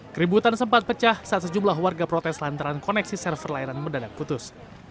keributan sempat pecah saat sejumlah warga protes lantaran koneksi server layanan mendadak putus